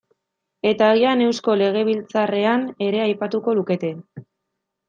Eta agian Eusko Legebiltzarrean ere aipatuko lukete.